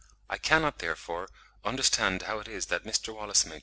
I cannot, therefore, understand how it is that Mr. Wallace (67.